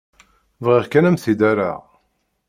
Bɣiɣ kan ad m-t-id-rreɣ.